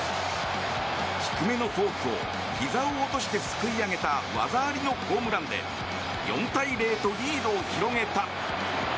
低めのフォークをひざを落としてすくい上げた技ありのホームランで４対０とリードを広げた。